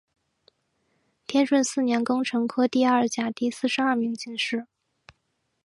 天顺四年庚辰科第二甲第四十二名进士。